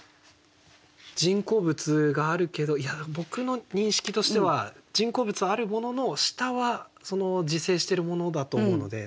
人工物があるけどいや僕の認識としては人工物はあるものの下は自生してるものだと思うので。